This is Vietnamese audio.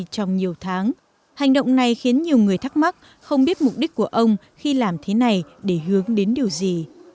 trong nhiều tháng hành động này khiến nhiều người thắc mắc không biết mục đích của ông khi làm thế này để hướng đến điều gì